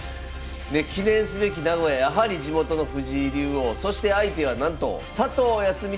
記念すべき名古屋やはり地元の藤井竜王そして相手はなんと佐藤康光会長。